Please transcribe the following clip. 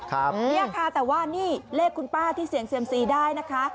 เนี่ยค่ะแต่ว่านี่เลขคุณป้าที่เสี่ยงเซียมซีได้นะคะ